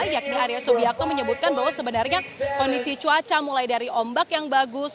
yakni arya subiakto menyebutkan bahwa sebenarnya kondisi cuaca mulai dari ombak yang bagus